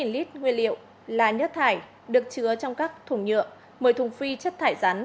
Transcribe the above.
một mươi lít nguyên liệu là nhất thải được chứa trong các thùng nhựa một mươi thùng phi chất thải rắn